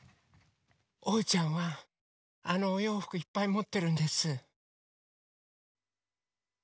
おうちゃんはあのおようふくいっぱいもってるんです。